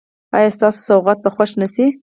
ایا ستاسو سوغات به خوښ نه شي؟